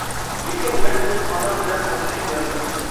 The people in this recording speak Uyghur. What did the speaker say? لېكىن مەن ئۆز ئانام بىلەن ئوخشاش كۆرىمەن.